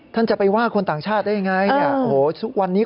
ท่านจะไปว่าคนต่างชาติได้ไงวันนี้